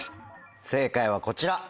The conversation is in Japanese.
正解はこちら。